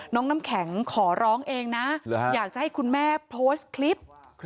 น้ำแข็งขอร้องเองนะอยากจะให้คุณแม่โพสต์คลิป